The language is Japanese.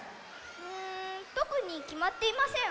うんとくにきまっていません。